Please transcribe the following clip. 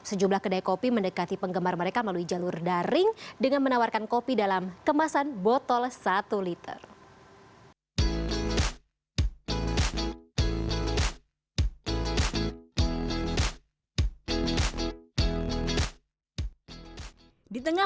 sejumlah kedai kopi mendekati penggemar mereka melalui jalur daring dengan menawarkan kopi dalam kemasan botol satu liter